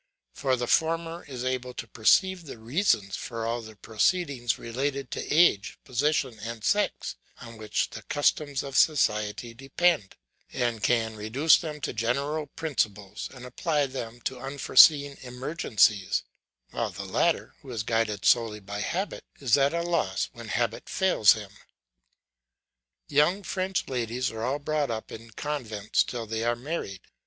For the former is able to perceive the reasons for all the proceedings relating to age, position, and sex, on which the customs of society depend, and can reduce them to general principles, and apply them to unforeseen emergencies; while the latter, who is guided solely by habit, is at a loss when habit fails him. Young French ladies are all brought up in convents till they are married.